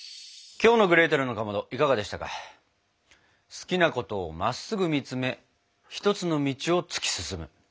好きなことをまっすぐ見つめ一つの道を突き進む。